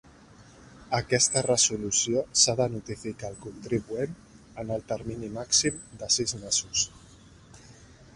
Aquesta resolució s'ha de notificar al contribuent en el termini màxim de sis mesos.